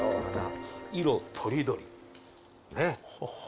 色とりどりねっ。